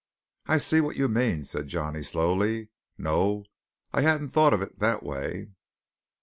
"I see what you mean," said Johnny slowly. "No; I hadn't thought of it that way."